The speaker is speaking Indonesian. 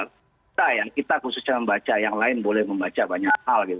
kita ya kita khususnya membaca yang lain boleh membaca banyak hal gitu